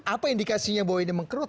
apa indikasinya bahwa ini mengkerut